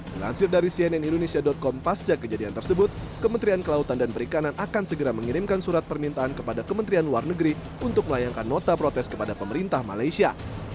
melansir dari cnn indonesia com pasca kejadian tersebut kementerian kelautan dan perikanan akan segera mengirimkan surat permintaan kepada kementerian luar negeri untuk melayangkan nota protes kepada pemerintah malaysia